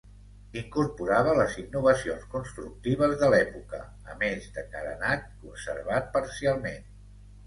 Incorporava les innovacions constructives de l'època, a més de carenat, conservat parcialment.